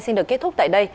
xin được kết thúc tại đây